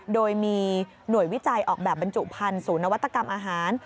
โดยมีหน่วยวิจัยออกแบบบรรจุภัณฑ์ศูนย์นวัตกรรมอาหาร